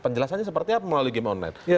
penjelasannya seperti apa melalui game online